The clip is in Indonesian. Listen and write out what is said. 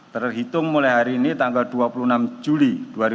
terhitung mulai hari ini tanggal dua puluh enam juli dua ribu dua puluh